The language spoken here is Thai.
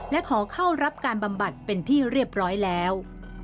และขอเข้ารับการบำบัดเป็นที่เรียบร้อยแล้ว